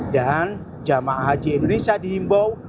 dan jemaah haji indonesia dihimbau